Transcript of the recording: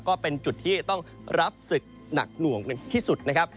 ก็เป็นจุดที่ต้องรับศึกหนักหน่วงที่สุดนะครับ